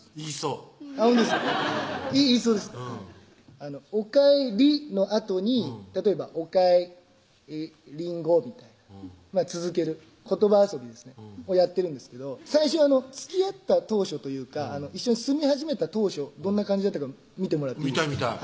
うん「おかえり」のあとに例えば「おかえりんご」みたいな続ける言葉遊びをですねやってるんですけど最初つきあった当初というか一緒に住み始めた当初どんな感じだったか見てもらっていいですか？